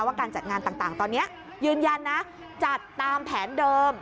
การจัดงานต่างตอนนี้ยืนยันนะจัดตามแผนเดิม